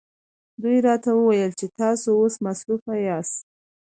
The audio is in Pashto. دوی راته وویل چې تاسو اوس مصروفه یاست.